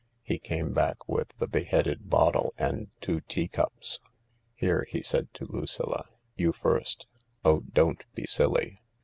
He came back with the beheaded bottle and two tea cups. " Here," he said to Lucilla, " you first. Oh, don't be silly.